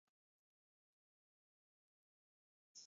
Na Irumaghio jadareda kumanga